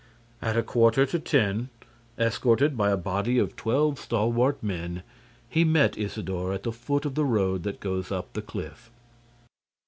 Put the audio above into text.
At a quarter to ten, escorted by a body of twelve stalwart men, he met Isidore at the foot of the road that goes up the cliff.